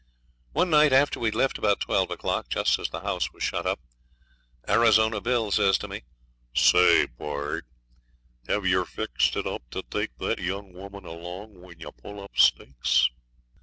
One night, after we'd left about twelve o'clock, just as the house shut up, Arizona Bill says to me 'Say, pard, have yer fixed it up to take that young woman along when you pull up stakes?'